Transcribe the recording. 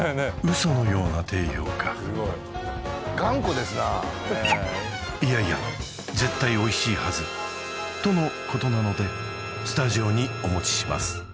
嘘のような頑固ですなあいやいや絶対おいしいはずとのことなのでスタジオにお持ちします